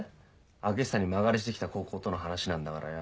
開久に間借りして来た高校との話なんだからよ